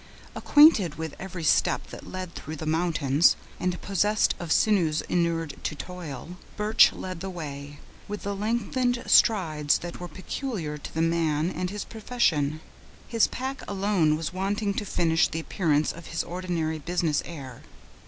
Acquainted with every step that led through the mountains, and possessed of sinews inured to toil, Birch led the way, with the lengthened strides that were peculiar to the man and his profession; his pack alone was wanting to finish the appearance of his ordinary business air.